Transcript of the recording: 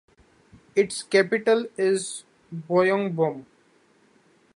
Its capital is Bayombong.